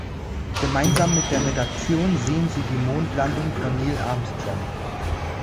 Gemeinsam mit der Redaktion sehen sie die Mondlandung von Neil Armstrong.